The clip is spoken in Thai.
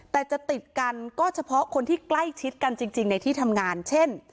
แต่จะติดกันก็เฉพาะคนที่ใกล้ชิดกันจริงในที่ทำงานเช่น